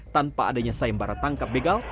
tanpa adanya sayembara tangkap begal